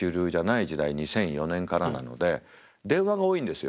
２００４年からなので電話が多いんですよ。